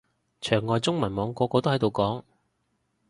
牆外中文網個個都喺度講